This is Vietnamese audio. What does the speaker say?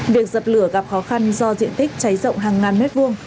việc dập lửa gặp khó khăn do diện tích cháy rộng hàng ngàn mét vuông